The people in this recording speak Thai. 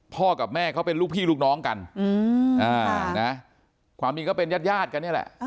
กับแม่เขาเป็นลูกพี่ลูกน้องกันความจริงก็เป็นญาติกันนี่แหละ